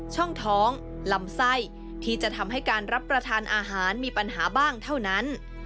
ช่องท้องลำไส้ที่จะทำให้การรับประทานอาหารมีปัญหาบ้างเท่านั้น